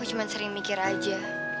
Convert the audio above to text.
aku cuman sering mikir aja